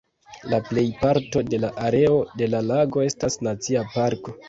La plejparto de la areo de la lago estas nacia parko.